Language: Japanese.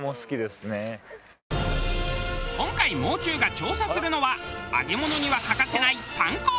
今回もう中が調査するのは揚げ物には欠かせない。